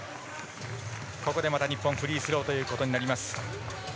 ここでまた日本フリースローとなります。